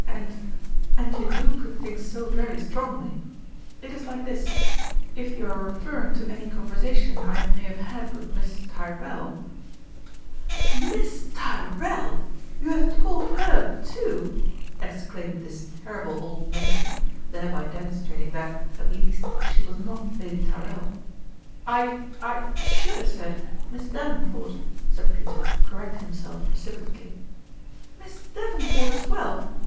" And and you do put things so very strongly ! It is like this : if you are referring to any conversation I may have had with Miss Tyrrell "" Miss Tyrrell f You have told her too !" exclaimed this terrible old matron, thereby demonstrating that, at least, she was not Lady Tyrrell. " I I should have said Miss Davenport," said Peter, correcting himself precipitately. " Miss Davenport as well